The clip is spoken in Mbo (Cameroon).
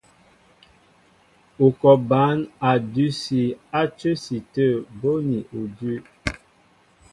Ú kɔ bǎn a dʉsi á cə́si tə̂ bóni udʉ́.